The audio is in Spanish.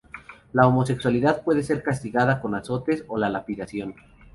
La homosexualidad puede ser castigada con azotes o la lapidación.